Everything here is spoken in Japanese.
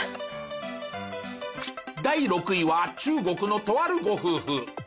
第６位は中国のとあるご夫婦。